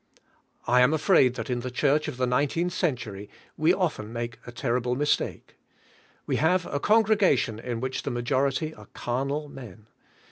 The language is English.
I am afraid that in the church of the nineteenth century we often make a terrible mis take. We have a congregation in which the ma jority are carnal men.